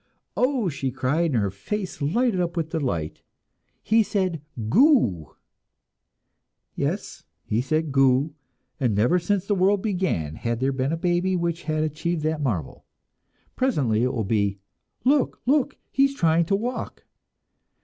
"Oh!" she cried, and her face lighted up with delight. "He said 'Goo'!" Yes, he said "Goo!" and never since the world began had there been a baby which had achieved that marvel. Presently it will be, "Look, look, he is trying to walk!"